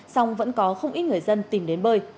song vẫn có không ít người dân tìm đến bơi